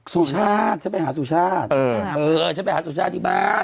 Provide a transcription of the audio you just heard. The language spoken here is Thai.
สุชาติฉันไปหาสุชาติฉันไปหาสุชาติที่บ้าน